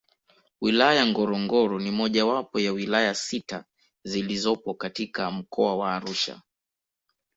Wilaya Ngorongoro ni mojawapo ya wilaya sita zilizopo katika Mkoa wa Arusha